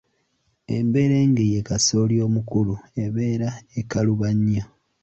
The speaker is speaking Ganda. Emberenge ye kasooli omukalu ebeera ekaluba nnyo.